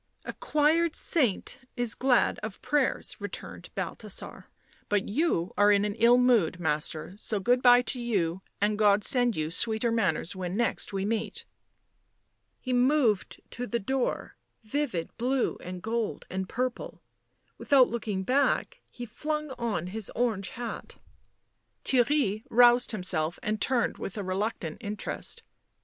11 A choired saint is glad of prayers," returned Balthasar. " But you are in an ill mood, master, so good bye to you and God send you sweeter manners when next we meet." He moved to the door, vivid blue and gold and purple ; without looking back, he flung on his orange hat. Theirry roused himself and turned with a reluctant interest.